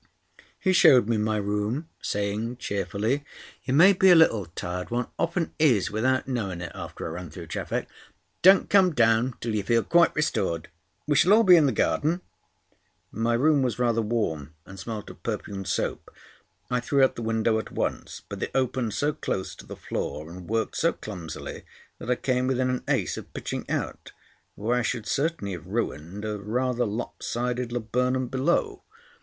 He showed me my room, saying cheerfully: "You may be a little tired. One often is without knowing it after a run through traffic. Don't come down till you feel quite restored. We shall all be in the garden." My room was rather warm, and smelt of perfumed soap. I threw up the window at once, but it opened so close to the floor and worked so clumsily that I came within an ace of pitching out, where I should certainly have ruined a rather lop sided laburnum below.